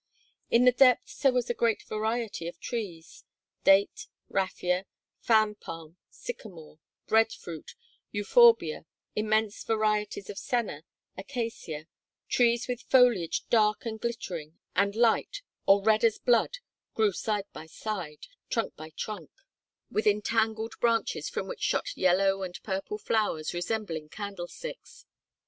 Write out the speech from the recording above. In the depths there was a great variety of trees; date, raffia, fan palm, sycamore, bread fruit, euphorbia, immense varieties of senna, acacia; trees with foliage dark and glittering and light or red as blood grew side by side, trunk by trunk, with entangled branches from which shot yellow and purple flowers resembling candlesticks.